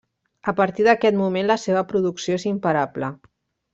A partir d'aquest moment la seva producció és imparable.